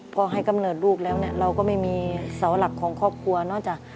พอให้กำเนิดลูกแล้วเนี่ยเราก็ไม่มีเสาหลักของครอบครัวนอกจาก